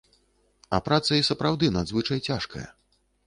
А праца і сапраўды надзвычай цяжкая.